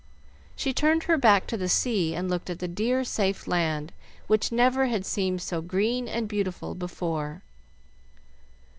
She turned her back to the sea and looked at the dear, safe land, which never had seemed so green and beautiful before.